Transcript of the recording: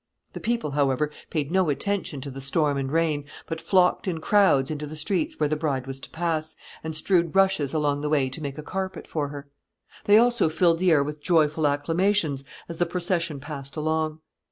The people, however, paid no attention to the storm and rain, but flocked in crowds into the streets where the bride was to pass, and strewed rushes along the way to make a carpet for her. They also filled the air with joyful acclamations as the procession passed along.